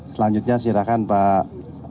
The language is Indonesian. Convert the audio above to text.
selanjutnya silakan pak